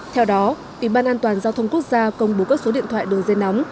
theo đó ủy ban an toàn giao thông quốc gia công bố các số điện thoại đường dây nóng